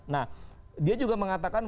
nah dia juga mengatakan